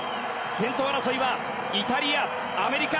先頭争いはイタリアアメリカ。